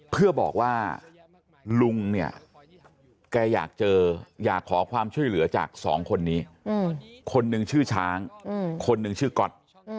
เพื่อบอกว่าลุงเนี่ยแกอยากเจออยากขอความช่วยเหลือจากสองคนนี้คนหนึ่งชื่อช้างคนหนึ่งชื่อก๊อต